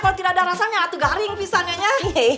kalau tidak ada rasanya atuh garing pisan nyonya